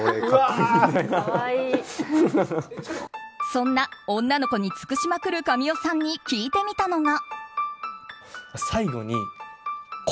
そんな、女の子に尽くしまくる神尾さんに聞いてみたのが。